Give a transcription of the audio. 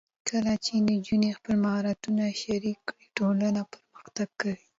کله چې نجونې خپل مهارتونه شریک کړي، ټولنه پرمختګ کوي.